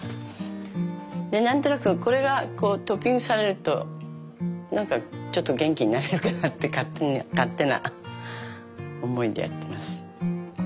で何となくこれがこうトッピングされると何かちょっと元気になれるかなって勝手な思いでやってます。